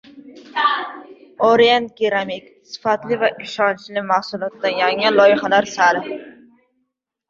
“Orient keramik”: sifatli va ishonchli mahsulotdan yangi loyihalar sari